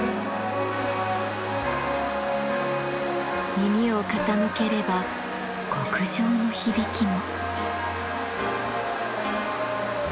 耳を傾ければ極上の響きも。